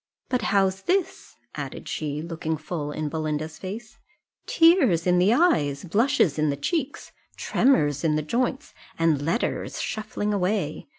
But how's this?" added she, looking full in Belinda's face "tears in the eyes! blushes in the cheeks! tremors in the joints! and letters shuffling away!